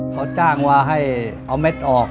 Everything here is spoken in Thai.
เขาจ้างว่าให้เอาเม็ดออก